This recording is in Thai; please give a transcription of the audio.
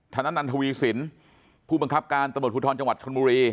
ธนันทวีสินผู้บังคับการตำรวจภูทรจังหวัดชนบุรี